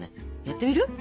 やってみる？